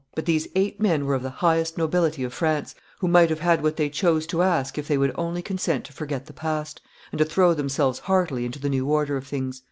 But these eight men were of the highest nobility of France, who might have had what they chose to ask if they would only consent to forget the past, and to throw themselves heartily into the new order of things.